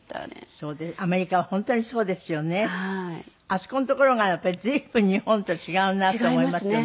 あそこのところがやっぱり随分日本と違うなと思いますよね。